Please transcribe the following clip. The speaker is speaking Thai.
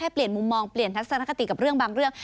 เปลี่ยนมุมมองเปลี่ยนทัศนคติกับเรื่องบางเรื่อง